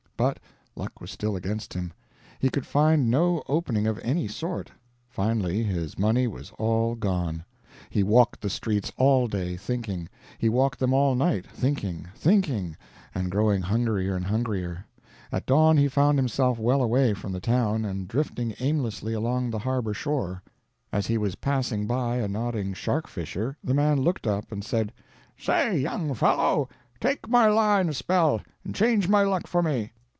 But luck was still against him; he could find no opening of any sort. Finally his money was all gone. He walked the streets all day, thinking; he walked them all night, thinking, thinking, and growing hungrier and hungrier. At dawn he found himself well away from the town and drifting aimlessly along the harbor shore. As he was passing by a nodding shark fisher the man looked up and said "Say, young fellow, take my line a spell, and change my luck for me."